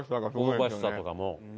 香ばしさとかも。